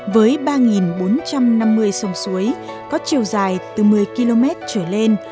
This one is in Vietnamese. với ba bốn trăm năm mươi sông suối có chiều dài từ một mươi km trở lên